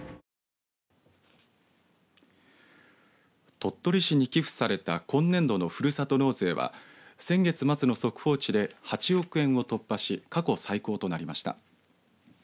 鳥取市に寄付された今年度のふるさと納税は先月末の速報値で８億円を突破し過去最高となりました。